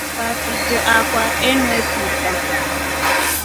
Vafitrio akwa eywa peter.